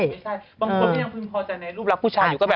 บางคนที่ยังคืนพอใจในรูปรักผู้ชายอยู่ก็แบบ